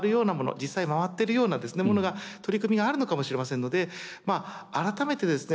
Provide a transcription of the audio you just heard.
実際回ってるようなものが取り組みがあるのかもしれませんので改めてですね